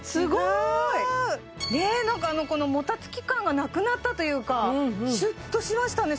えなんかこのもたつき感がなくなったというかシュッとしましたね